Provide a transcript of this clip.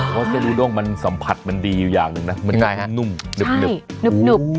เพราะว่าเส้นอูด้งมันสัมผัสมันดีอย่างหนึ่งนะเงียบหนุ่มเนื้บ